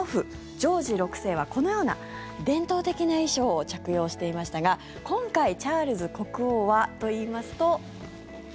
ジョージ６世はこのような伝統的な衣装を着用していましたが今回、チャールズ国王はといいますと。